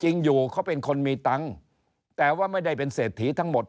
อยู่เขาเป็นคนมีตังค์แต่ว่าไม่ได้เป็นเศรษฐีทั้งหมด